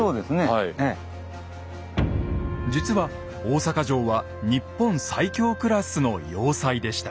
実は大坂城は日本最強クラスの要塞でした。